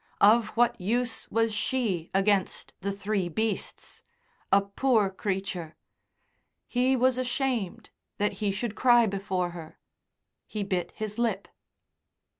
Of what use was she against the three beasts? A poor creature.... He was ashamed that he should cry before her. He bit his lip.